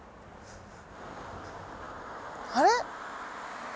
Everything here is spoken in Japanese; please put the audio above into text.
あれ？